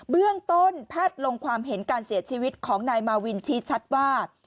เบื้องต้นแพทย์ลงความเห็นการเสียชีวิตของนายมาวินชี้ชัดว่า